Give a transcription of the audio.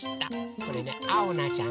これねあおなちゃんとあ